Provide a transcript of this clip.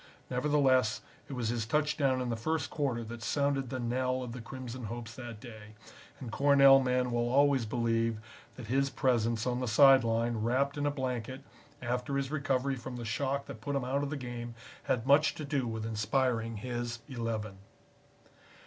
Nevertheless, it was his touchdown in the first quarter that sounded the knell of the Crimson hopes that day, and Cornell men will always believe that his presence on the side line wrapped in a blanket, after his recovery from the shock that put him out of the game, had much to do with inspiring his Eleven.